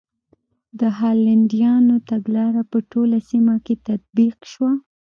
د هالنډیانو تګلاره په ټوله سیمه کې تطبیق شوه.